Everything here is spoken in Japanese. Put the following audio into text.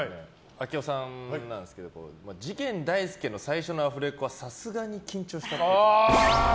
明夫さんなんですけど次元大介の最初のアフレコはさすがに緊張したっぽい。